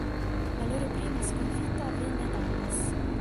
La loro prima sconfitta avvenne a Dallas.